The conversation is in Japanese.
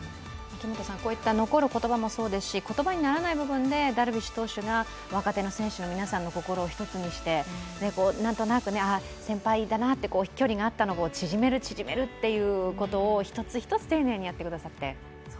こういった残る言葉もそうですし、言葉にならない部分でダルビッシュ投手が若手の選手の皆さんの心を一つにして一つにして、なんとなく先輩だなって距離があったのを縮める、縮めることを１つ１つ丁寧にしてくださって。